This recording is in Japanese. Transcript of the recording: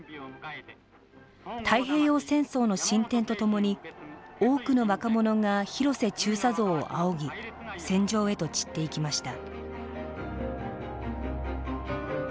太平洋戦争の進展とともに多くの若者が広瀬中佐像を仰ぎ戦場へと散っていきました。